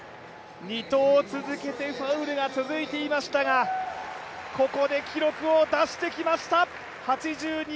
２投続けてファウルが続いていましたがここで記録を出してきました。